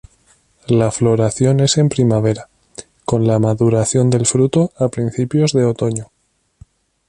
La floración es en primavera, con la maduración del fruto a principios de otoño.